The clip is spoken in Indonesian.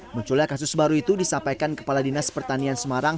munculnya kasus baru itu disampaikan kepala dinas pertanian semarang